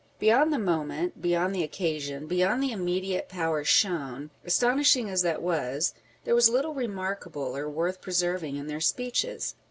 Beyond the moment, beyond the occasion, beyond the immediate power shown, astonish ing as that was, there was little remarkable or worth pre serving in their speeches.